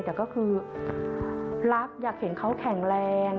แต่ก็คือรักอยากเห็นเขาแข็งแรง